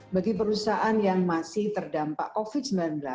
bagi perusahaan yang masih terdampak covid sembilan belas